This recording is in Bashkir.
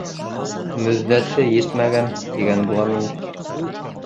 Мөҙҙәте етмәгән, тигән булам инде.